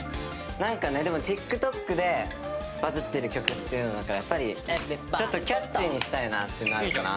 なんかねでもＴｉｋＴｏｋでバズってる曲っていうのだからやっぱりちょっとキャッチーにしたいなっていうのがあるかな。